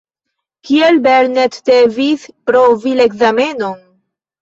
Kial Belnett devis provi la ekzamenon?